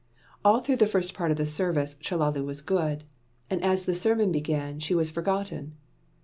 All through the first part of the service Chellalu was good; and as the sermon began, she was forgotten.